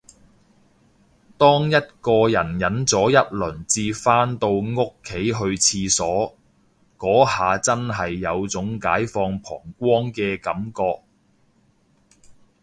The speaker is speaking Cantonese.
當一個人忍咗一輪至返到屋企去廁所，嗰下真係有種解放膀胱嘅感覺